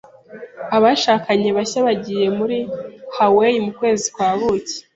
Abashakanye bashya bagiye muri Hawaii mu kwezi kwa buki.